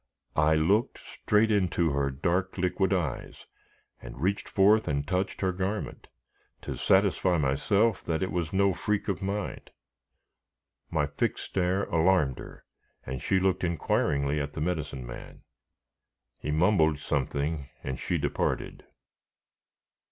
I looked straight into her dark, liquid eyes, and reached forth and touched her garment, to satisfy myself that it was no freak of mind. My fixed stare alarmed her, and she looked inquiringly at the Medicine Man. He mumbled something, and she departed.